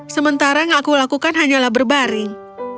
sementara yang aku lakukan hanyalah berbaring